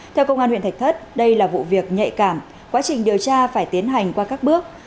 theo công an huyện thạch thất đây là vụ việc nhạy cảm quá trình điều tra phải tiến hành qua các bước